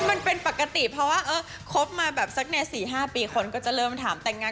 มันเป็นปกติเพราะว่าคบมาแบบสัก๔๕ปีคนก็จะเริ่มถามแต่งงาน